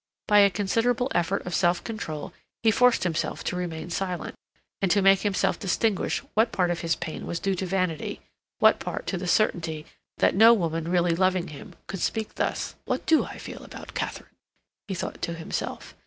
By a considerable effort of self control he forced himself to remain silent, and to make himself distinguish what part of his pain was due to vanity, what part to the certainty that no woman really loving him could speak thus. "What do I feel about Katharine?" he thought to himself.